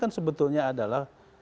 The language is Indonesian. kan sebetulnya adalah